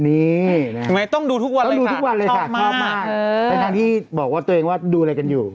นี่ทำไมต้องดูทุกวันเลยค่ะชอบมากในทางที่บอกว่าตัวเองว่าดูอะไรกันอยู่